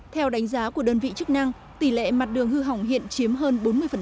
theo đánh giá của đơn vị chức năng tỷ lệ mặt đường hư hỏng hiện chiếm hơn bốn mươi